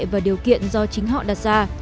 và điều kiện do chính họ đặt ra